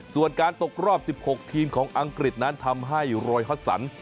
ส่วนการตกรอบ๑๖ทีมของอังกฤษนั้นทำให้โรยฮอตสัน